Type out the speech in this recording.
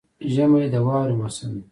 ژمی د واورې موسم دی